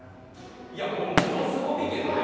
いやこれものすごいけどね。